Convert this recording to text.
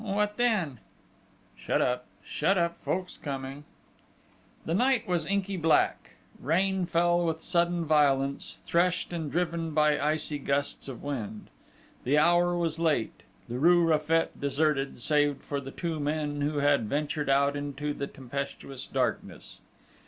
"What then?" "Shut up! Shut up! Folks coming!" The night was inky black. Rain fell with sudden violence, threshed and driven by icy gusts of wind. The hour was late: the rue Raffet deserted save for the two men who had ventured out into the tempestuous darkness.